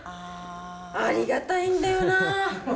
ありがたいんだよな。